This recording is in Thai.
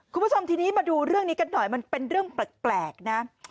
คุณผู้ชมทีนี้มาดูเรื่องนี้กันหน่อยมันเป็นเรื่องแปลกนะ